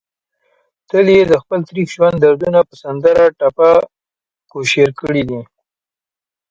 تل يې دخپل تريخ ژوند دردونه په سندره او ټپه کوشېر کړي دي